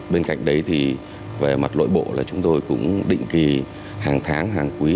bên cạnh đấy thì về mặt nội bộ là chúng tôi cũng định kỳ hàng tháng hàng quý